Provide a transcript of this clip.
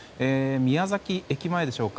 宮崎駅前でしょうか。